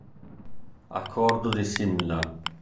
Accordo di Simla